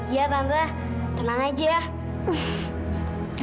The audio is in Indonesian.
iya tante tenang aja ya